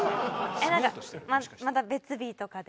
えっなんかまた別日とかで。